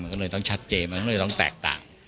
มันก็เลยต้องแอบแรกต่าง